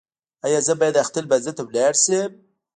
ایا زه باید اختر لمانځه ته لاړ شم؟